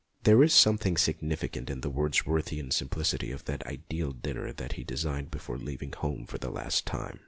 There is something significant in the Wordsworthian simplicity of that ideal dinner that he designed before leaving home for the last time.